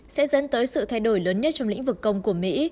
sẽ dẫn tới sự thay đổi lớn nhất trong lĩnh vực công của mỹ